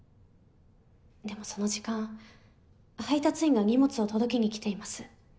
でもその時間配達員が荷物を届けに来ています。